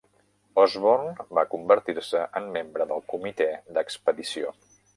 Osborn va convertir-se en membre del comitè d'expedició.